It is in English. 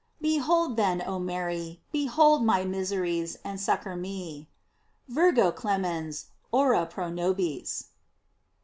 Behold, then, oh Mary, be hold my miseries, and succor me: " Virgo clemens, ora pro nobis."